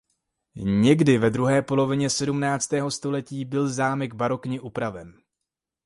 Někdy ve druhé polovině sedmnáctého století byl zámek barokně upraven.